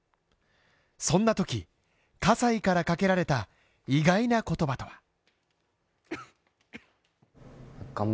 そんなとき、葛西からかけられた意外な言葉とは。